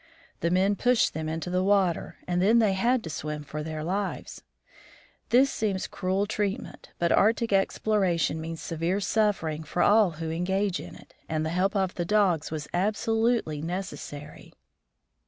The men pushed them into the water, and then they had to swim for their lives. This seems cruel treatment, but Arctic exploration means severe suffering for all who engage in it, and the help of the dogs was absolutely necessary.